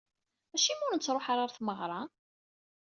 Acimi ur nettruḥu ara ɣer tmeɣra?